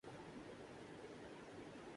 تو انہیں دور کیجیے۔